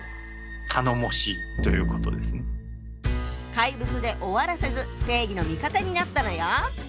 怪物で終わらせず正義の味方になったのよ。